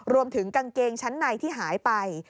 รวมถึงกางเกงชั้นในที่หายไป